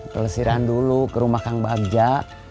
pelesiran dulu ke rumah kang bagja